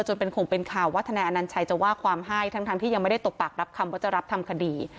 คงเป็นข่าวว่าทนายอนัญชัยจะว่าความให้ทั้งที่ยังไม่ได้ตบปากรับคำว่าจะรับทำคดี